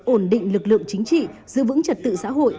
ổn định lực lượng chính trị giữ vững trật tự xã hội